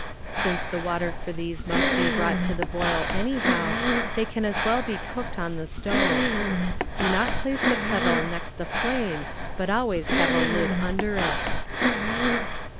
since the water for these must be brought to the boil anyhow, they can as well be cooked on the stove. Do not place the kettle next the flame but always have a lid under it.